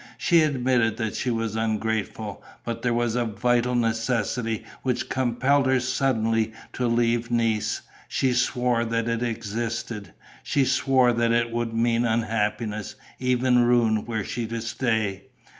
She admitted that she was ungrateful. But there was a vital necessity which compelled her suddenly to leave Nice. She swore that it existed. She swore that it would mean unhappiness, even ruin, were she to stay.